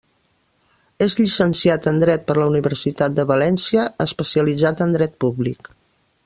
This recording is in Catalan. És llicenciat en dret per la Universitat de València, especialitzat en dret públic.